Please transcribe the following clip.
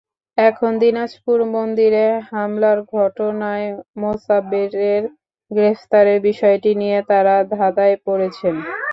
এখন দিনাজপুরে মন্দিরে হামলার ঘটনায় মোছাব্বেরের গ্রেপ্তারের বিষয়টি নিয়ে তাঁরা ধাঁধায় পড়েছেন।